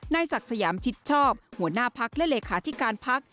ศักดิ์สยามชิดชอบหัวหน้าพักและเลขาธิการพัก